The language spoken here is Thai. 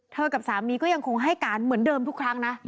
กับสามีก็ยังคงให้การเหมือนเดิมทุกครั้งนะ